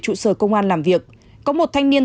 trụ sở công an làm việc có một thanh niên